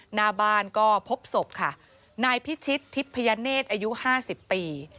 หน้าบ้านก็พบศพค่ะนายพิชิตทิพยเนธอายุ๕๐ปี